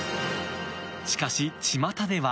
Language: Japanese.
しかし、ちまたでは。